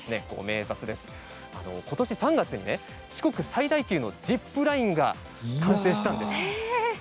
ことし３月に四国最大級のジップラインが完成したんです。